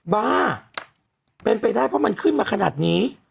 บ้าเป็นไปได้เพราะมันขึ้นมาขนาดนี้